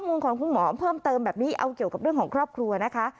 มุมของคุณหมอเพิ่มเติมแบบนี้เอาเกี่ยวกับเรื่องของครอบครัวนะคะ